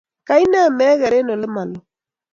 Kaine megeer eng olemaloo?